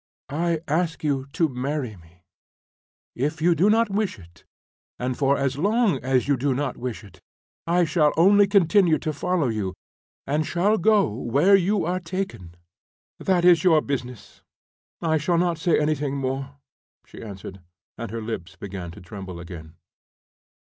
"I ask you to marry me. If you do not wish it, and for as long as you do not wish it, I shall only continue to follow you, and shall go where you are taken." "That is your business. I shall not say anything more," she answered, and her lips began to tremble again.